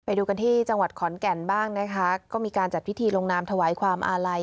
ไปดูกันที่จังหวัดขอนแก่นบ้างนะคะก็มีการจัดพิธีลงนามถวายความอาลัย